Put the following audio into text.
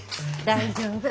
大丈夫。